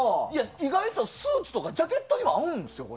意外とスーツとかジャケットに合うんですよ。